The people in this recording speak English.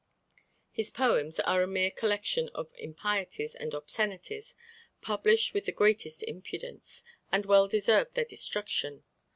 His poems are a mere collection of impieties and obscenities, published with the greatest impudence, and well deserved their destruction.